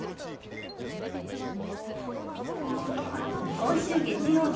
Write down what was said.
今週月曜日